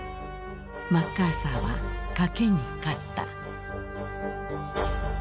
マッカーサーは賭けに勝った。